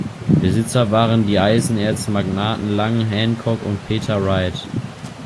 Besitzer waren die Eisenerz-Magnaten Lang Hancock und Peter Wright.